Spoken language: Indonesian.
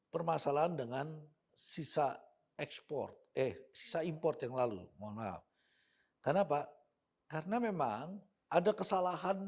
permasalahan dengan sisa ekspor eh sisa import yang lalu mohon maaf karena apa karena memang ada kesalahan